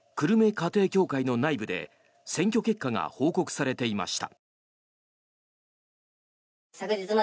家庭教会の内部で選挙結果が報告されていました。